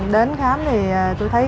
đến khám thì tôi thấy